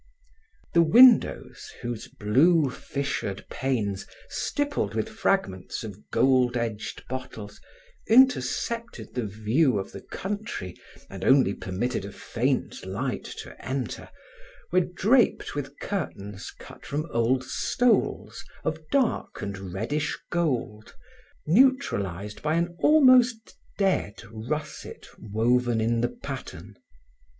The windows whose blue fissured panes, stippled with fragments of gold edged bottles, intercepted the view of the country and only permitted a faint light to enter, were draped with curtains cut from old stoles of dark and reddish gold neutralized by an almost dead russet woven in the pattern.